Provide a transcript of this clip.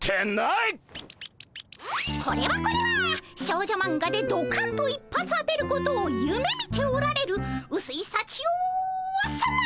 これはこれは少女マンガでどかんと一発当てることをゆめみておられるうすいさちよさま！